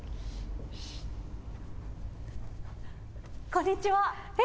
こんにちは。え？